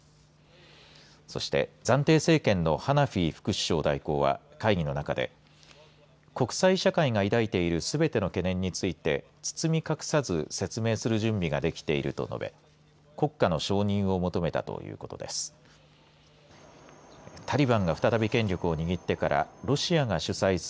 そして暫定政権のハナフィ副首相代行は会議の中で国際社会が抱いているすべての懸念について包み隠さず説明する準備ができていると述べ国家の承認を求めたということです。